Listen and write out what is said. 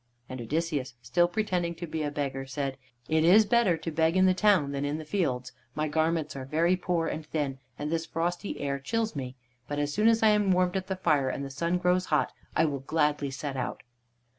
And Odysseus, still pretending to be a beggar, said: "It is better to beg in the town than in the fields. My garments are very poor and thin, and this frosty air chills me; but as soon as I am warmed at the fire and the sun grows hot, I will gladly set out."